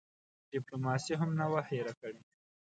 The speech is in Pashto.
ډیپلوماسي هم نه وه هېره کړې.